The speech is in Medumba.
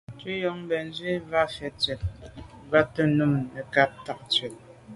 Ntù njon bènzwi fa tshwèt nkwate num nekag nà tshwèt.